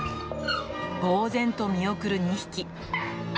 ぼう然と見送る２匹。